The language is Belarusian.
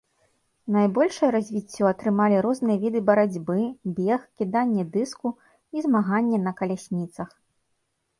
Найбольшае развіццё атрымалі розныя віда барацьбы, бег, кіданне дыску і змаганне на калясніцах.